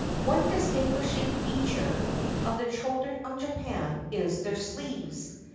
One distinguishing feature of the children of Japan is their sleeves.